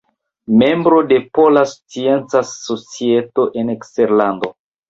Membro de Pola Scienca Societo en Eksterlando.